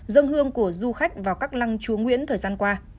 dân hương của du khách vào các lăng chúa nguyễn thời gian qua